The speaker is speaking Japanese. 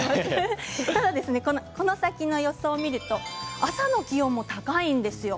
この先の予想を見ると朝の気温も高いんですよ。